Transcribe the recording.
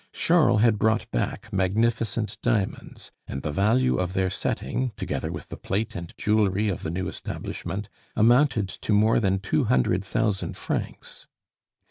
Charles had brought back magnificent diamonds, and the value of their setting, together with the plate and jewelry of the new establishment, amounted to more than two hundred thousand francs.